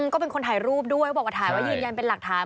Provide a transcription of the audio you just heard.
ก็เป็นคนถ่ายรูปด้วยเขาบอกว่าถ่ายไว้ยืนยันเป็นหลักฐาน